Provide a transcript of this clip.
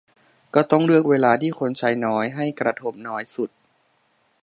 ก็ต้องเลือกเวลาที่คนใช้น้อย ให้กระทบน้อยสุด